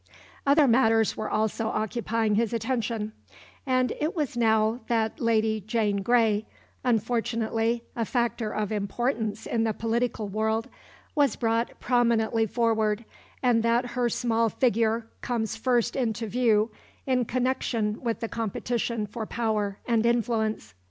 Other matters were also occupying his attention; and it was now that Lady Jane Grey, unfortunately a factor of importance in the political world, was brought prominently forward and that her small figure comes first into view in connection with the competition for power and influence.